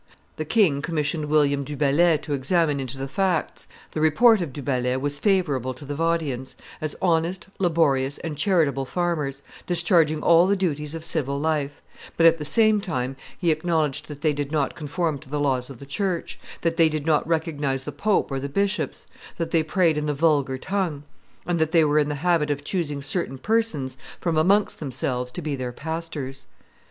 The king commissioned William du Bellay to examine into the facts; the report of Du Bellay was favorable to the Vaudians, as honest, laborious, and charitable farmers, discharging all the duties of civil life; but, at the same time, he acknowledged that they did not conform to the laws of the church, that they did not recognize the pope or the bishops, that they prayed in the vulgar tongue, and that they were in the habit of choosing certain persons from amongst themselves to be their pastors.